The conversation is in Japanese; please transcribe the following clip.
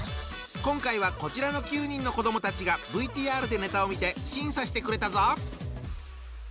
今回はこちらの９人の子どもたちがＶＴＲでネタを見て審査してくれたぞ！